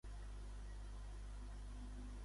Creu que els independentistes són minoria?